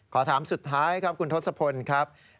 ขอถามสุดท้ายครับคุณทศพลครับ